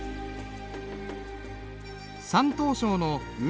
山東省の雲